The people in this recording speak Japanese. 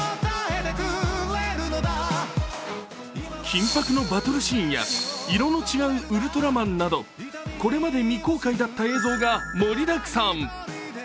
緊迫のバトルシーンや色の違うウルトラマンなどこれまで未公開だった映像が盛りだくさん。